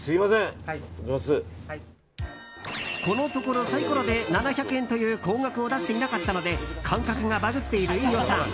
このところ、サイコロで７００円という高額を出していなかったので感覚がバグっている飯尾さん。